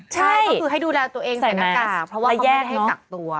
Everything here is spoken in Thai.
ใช่ก็คือให้ดูแลตัวเองในอากาศเพราะว่าเขาไม่ได้ให้สักตัว